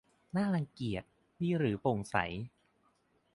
น่ารังเกียจ นี่หรือโปร่งใส